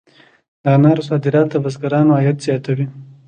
د انارو صادرات د بزګرانو عاید زیاتوي.